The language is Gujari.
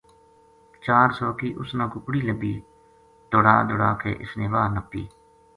چار سو کی اس نا ککڑی لبھی دُڑا دُڑا کے اس نے وا ہ نپی